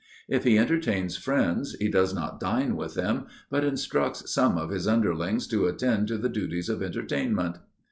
If he entertains friends he does not dine with them, but instructs some of his underlings to attend to the duties of entertainment.